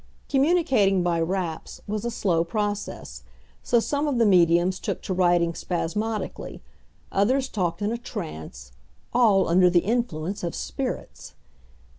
Communicating by "raps" was a slow process; so some of the mediums took to writing spasmodically; others talked in a "trance" all under the influence of spirits!